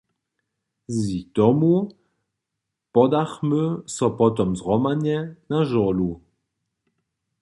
Z jich domu podachmy so potom zhromadnje na žurlu.